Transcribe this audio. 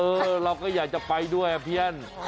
เออเราก็อยากจะไปด้วยเพี้ยน